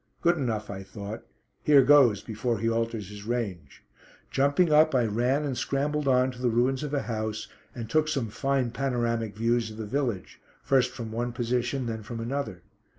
Good enough, I thought. Here goes before he alters his range. Jumping up I ran and scrambled on to the ruins of a house, and took some fine panoramic views of the village, first from one position then from another.